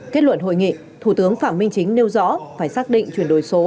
kết luận hội nghị thủ tướng phạm minh chính nêu rõ phải xác định chuyển đổi số